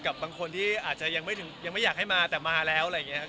กับบางคนที่อาจจะยังไม่อยากให้มาแต่มาแล้วอะไรอย่างนี้